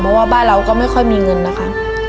เพราะว่าบ้านเราก็ไม่ค่อยมีเงินนะคะ